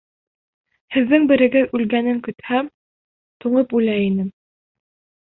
Һеҙҙең берегеҙ үлгәнен көтһәм, туңып үлә инем.